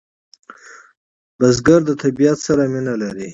بزګر د طبیعت سره مینه لري